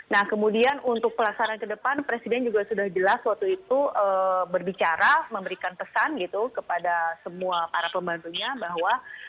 nah kemudian untuk pelaksanaan ke depan presiden juga sudah jelas waktu itu berbicara memberikan pesan gitu kepada semua para pembantunya bahwa